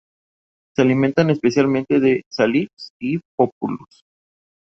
Se alimentan especialmente de "Salix" y "Populus".